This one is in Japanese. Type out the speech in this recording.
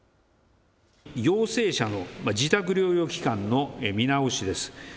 陽性者の自宅療養期間の見直しです。